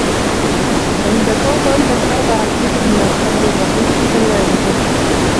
عند توم علبة أربعة لتر من الخمر الرخيص في ثلاجته